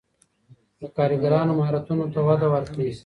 د کارګرانو مهارتونو ته وده ورکړئ.